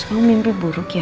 kamu mimpi buruk ya